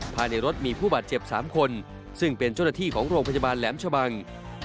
ภายในรถมีผู้บาดเจ็บ๓คนซึ่งเป็นเจ้าหน้าที่ของโรงพยาบาลแหลมชะบัง